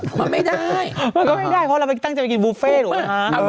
ก็ไม่ได้เพราะเราไม่ตั้งใจไปกินบุฟเฟ่หรือเปล่า